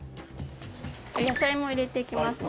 野菜も入れていきますね。